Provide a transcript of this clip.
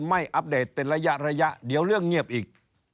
อัปเดตเป็นระยะระยะเดี๋ยวเรื่องเงียบอีก